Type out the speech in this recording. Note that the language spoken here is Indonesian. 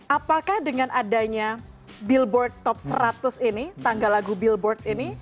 apakah dengan adanya billboard top seratus ini tangga lagu billboard ini